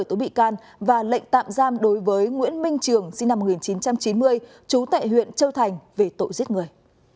tối bị can và lệnh tạm giam đối với nguyễn minh trường sinh năm một nghìn chín trăm chín mươi trú tại huyện châu thành về tội giết người